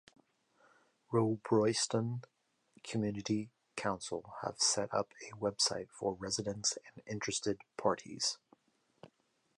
Robroyston Community Council have set up a website for residents and interested parties.